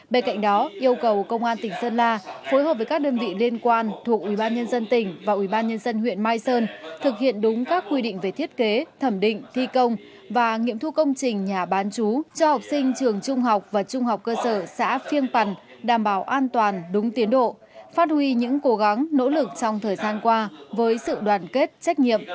bên cạnh đó yêu cầu công an tỉnh sơn la phối hợp với các đơn vị liên quan thuộc ubnd tỉnh và ubnd huyện mai sơn thực hiện đúng các quy định về thiết kế thẩm định thi công và nghiệm thu công trình nhà bán chú cho học sinh trường trung học và trung học cơ sở xã phiêng bằng đảm bảo an toàn đúng tiến độ phát huy những cố gắng nỗ lực trong thời gian qua với sự đoàn kết trách nhiệm